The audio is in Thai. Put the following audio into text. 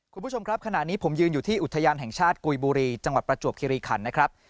คุณผู้ชมครับขณะนี้ผมยืนอยู่ที่อุทยานแห่งชาติกุยบุรีจังหวัดประจวบคิริขันนะครับ